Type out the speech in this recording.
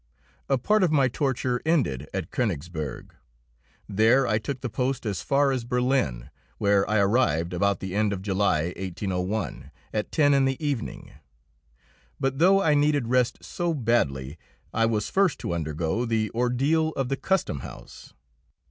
A part of my torture ended at Koenigsberg. There I took the post as far as Berlin, where I arrived about the end of July, 1801, at ten in the evening. But though I needed rest so badly, I was first to undergo the ordeal of the custom house.